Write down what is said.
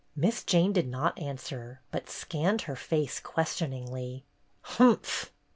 Miss Jane did not answer, but scanned her face questioningly. "Humph!"